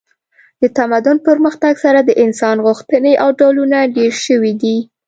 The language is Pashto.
د تمدن پرمختګ سره د انسان غوښتنې او ډولونه ډیر شوي دي